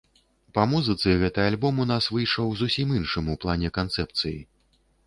Па музыцы гэты альбом у нас выйшаў зусім іншым у плане канцэпцыі.